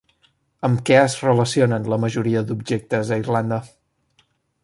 Amb què es relacionen la majoria d'objectes a Irlanda?